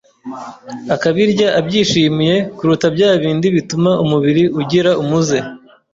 akabirya abyishimiye kuruta bya bindi bituma umubiri ugira umuze.